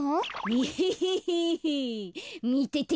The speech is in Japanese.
エヘヘヘ！みてて。